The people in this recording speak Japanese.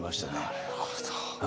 なるほど。